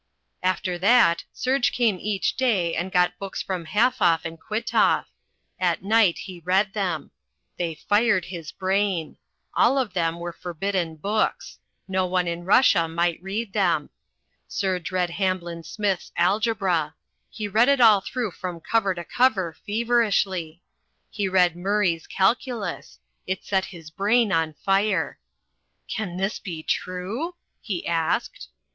After that Serge came each day and got books from Halfoff and Kwitoff. At night he read them. They fired his brain. All of them were forbidden books. No one in Russia might read them. Serge read Hamblin Smith's Algebra. He read it all through from cover to cover feverishly. He read Murray's Calculus. It set his brain on fire. "Can this be true?" he asked.